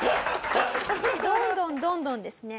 どんどんどんどんですね